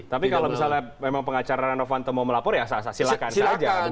tapi kalau misalnya memang pengacara steno fanto mau melapor ya sah sah silakan saja